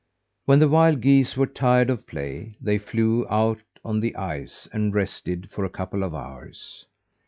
When the wild geese were tired of play, they flew out on the ice and rested for a couple of hours.